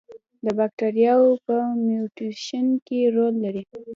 د باکتریاوو په میوټیشن کې رول لري.